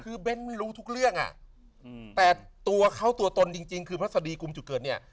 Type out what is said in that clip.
คือเบ้นไม่รู้ทุกเรื่องอ่ะแต่ตัวเขาตัวตนจริงคือพระสดีกุมจุดเกิดเนี่ย